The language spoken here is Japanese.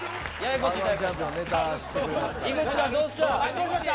井口さん、どうでしょう。